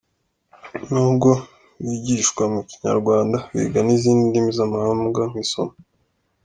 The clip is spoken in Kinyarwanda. Nubwo bigishwa mu Kinyarwanda, biga n’izindi ndimi z’amahanga nk’isomo.